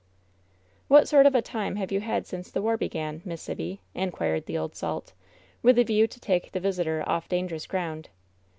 "What sort of a time have you had since the war began, Miss Sibby ?" inquired the old salt, with a view to take the visitor off dangerous ground.